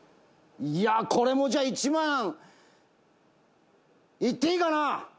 「いやこれもじゃあ１万いっていいかな？」